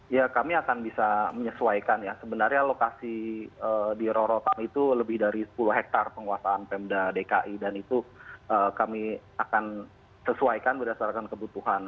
ya kami akan bisa menyesuaikan ya sebenarnya lokasi di rorotan itu lebih dari sepuluh hektare penguasaan pemda dki dan itu kami akan sesuaikan berdasarkan kebutuhan